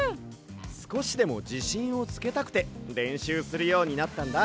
すこしでもじしんをつけたくてれんしゅうするようになったんだ。